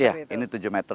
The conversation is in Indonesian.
iya ini tujuh meter